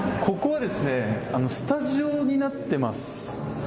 ここはスタジオになっています。